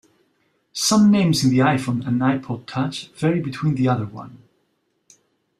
Some names in the iPhone and iPod touch vary between the other one.